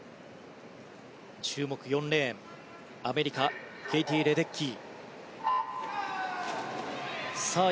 注目、４レーン、アメリカケイティ・レデッキー。